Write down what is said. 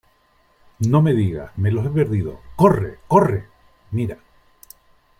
no me digas , me los he perdido .¡ corre , corre ! mira .